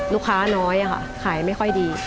ลูกค้าน้อยค่ะขายไม่ค่อยดี